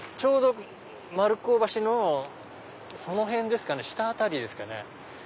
丸子橋のその辺ですかね下辺りですかね。